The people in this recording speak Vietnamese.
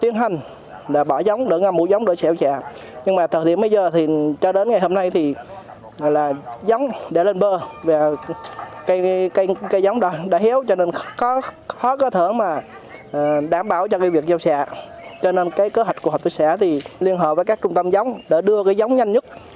nên cơ hạch của học tuy xã liên hợp với các trung tâm giống để đưa giống nhanh nhất